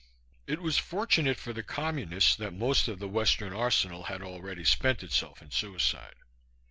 It was fortunate for the Communists that most of the Western arsenal had already spent itself in suicide.